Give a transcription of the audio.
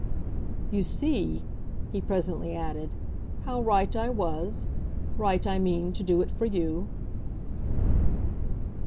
"You see," he presently added, "how right I was. Right, I mean, to do it for you."